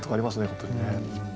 本当にね。